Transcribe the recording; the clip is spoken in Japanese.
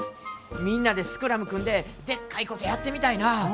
みんなでスクラム組んででっかいことやってみたいなぁ。